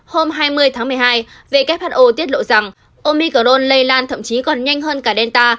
hôm hai mươi tháng một mươi hai who tiết lộ rằng omicron lây lan thậm chí còn nhanh hơn cả delta